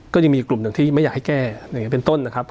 ก็ยังมีอีกกลุ่มหนึ่งที่ไม่อยากให้แก้อย่างนี้เป็นต้นนะครับ